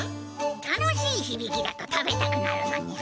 楽しいひびきだと食べたくなるのにゃ。